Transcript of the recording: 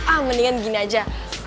ah mendingan gini aja